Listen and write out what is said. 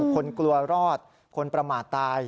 กลัวรอดคนประมาทตาย